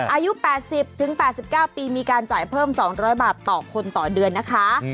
อายุ๘๐๘๙ปีมีการจ่ายเพิ่ม๒๐๐บาทต่อคนต่อเดือนนะคะ